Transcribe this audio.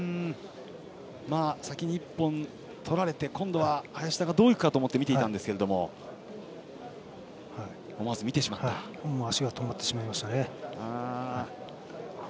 先に１本取られて今度は、林田がどういくかと思って見ていたんですが足が止まりましたね。